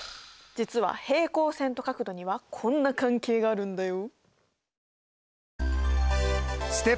実は平行線と角度にはこんな関係があるんだよ。